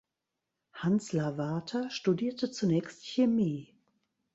Hans Lavater studierte zunächst Chemie.